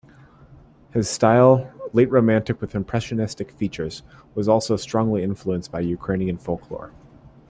His style, late romantic with impressionistic features, was also strongly influenced by Ukrainian folklore.